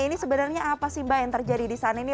ini sebenarnya apa sih mbak yang terjadi di sana ini